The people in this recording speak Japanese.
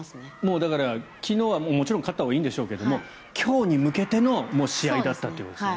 だから、昨日はもちろん勝ったほうがいいんですけど今日に向けての試合だったわけですね。